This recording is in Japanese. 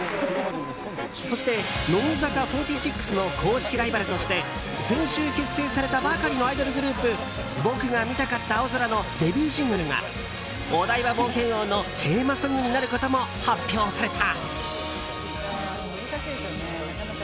そして、乃木坂４６の公式ライバルとして先週結成されたばかりのアイドルグループ僕が見たかった青空のデビューシングルがお台場冒険王のテーマソングになることも発表された。